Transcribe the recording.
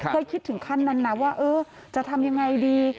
เคยคิดถึงขั้นนั้นนะว่าจะทำอย่างไรดี